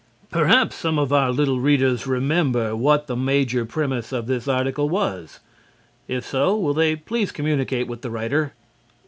Perhaps some of our little readers remember what the major premise of this article was. If so, will they please communicate with the writer.